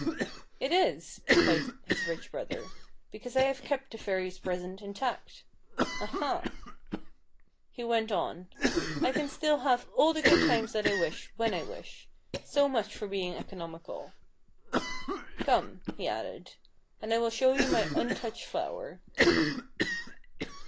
" It is," replied his rich brother, " because I have kept the THE TWO DAISIES II 5 fairy's present intact. Ah ! ha !" he went on : "I can still have all the good times that I wish, when I wish. So much for being economical. Come," he added, "and I will show you my un touched flower."